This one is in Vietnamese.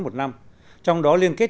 một năm trong đó liên kết